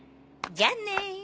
じゃあね。